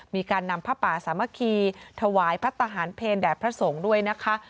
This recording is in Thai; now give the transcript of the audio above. มีการนำผ้าป่าสามัคคีถวายพระทหารเพลแด่พระสงฆ์ด้วยนะคะ